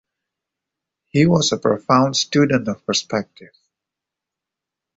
He was a profound student of perspective.